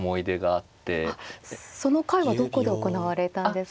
あっその会はどこで行われたんですか？